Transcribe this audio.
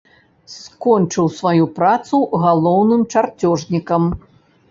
Скончыў сваю працу галоўным чарцёжнікам.